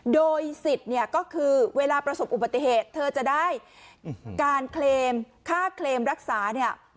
โดยสิทธิ์เนี่ยก็คือเวลาประสบอุบัติเหตุเธอจะได้การเคลมค่าเคลมรักษาเนี่ย